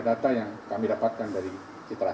data yang kami dapatkan dari citra